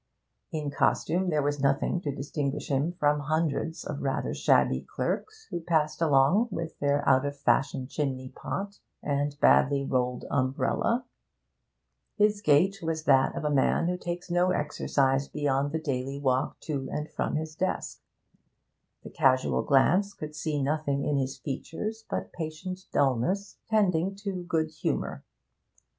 In costume there was nothing to distinguish him from hundreds of rather shabby clerks who passed along with their out of fashion chimney pot and badly rolled umbrella; his gait was that of a man who takes no exercise beyond the daily walk to and from his desk; the casual glance could see nothing in his features but patient dullness tending to good humour.